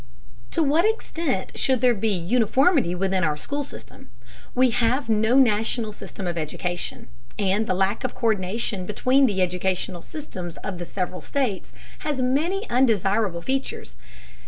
To what extent should there be uniformity within our school system? We have no national system of education, and the lack of co÷rdination between the educational systems of the several states has many undesirable features.